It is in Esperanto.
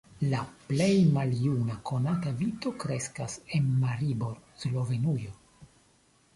La plej maljuna konata vito kreskas en Maribor, Slovenujo.